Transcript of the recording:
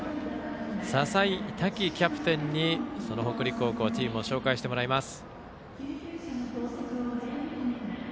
笹井多輝キャプテンに北陸高校のチームを紹介してもらいます。